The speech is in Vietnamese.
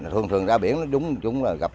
thường thường ra biển nó đúng là gặp